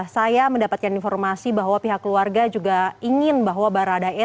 saya mendapatkan informasi bahwa pihak keluarga juga ingin bahwa baradae